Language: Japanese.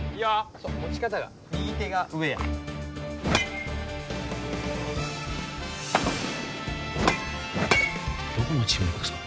そう持ち方が右手が上やどこのチームの子ですか？